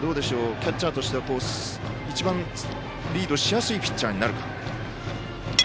キャッチャーとしては一番リードしやすいピッチャーとなるか。